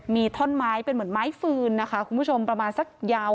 มีท่อนไม้เป็นเหมือนไม้ฟืนนะคะคุณผู้ชมประมาณสักยาว